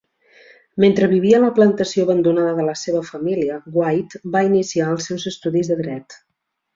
Mentre vivia a la plantació abandonada de la seva família, White va iniciar els seus estudis de dret.